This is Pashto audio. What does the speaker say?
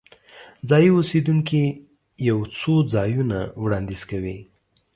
ځایي اوسیدونکي یو څو ځایونه وړاندیز کوي.